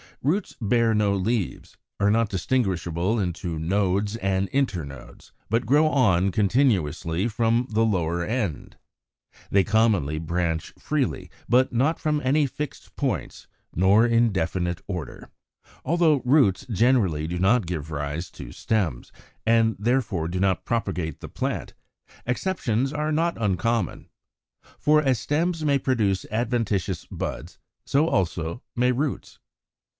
Roots bear no leaves, are not distinguishable into nodes and internodes, but grow on continuously from the lower end. They commonly branch freely, but not from any fixed points nor in definite order. 69. Although roots generally do not give rise to stems, and therefore do not propagate the plant, exceptions are not uncommon. For as stems may produce adventitious buds, so also may roots.